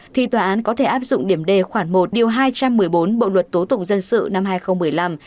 thì tòa án có thể áp dụng điểm đề khoảng một hai trăm một mươi bốn bộ luật tố tục dân sự năm hai nghìn một mươi năm